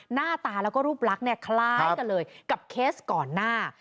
หน้าตาแล้วก็รูปลักษณ์เนี่ยคล้ายกันเลยกับเคสก่อนหน้า